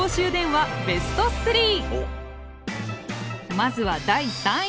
まずは第３位！